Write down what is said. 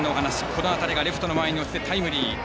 この当たりがレフト前に落ちてタイムリー。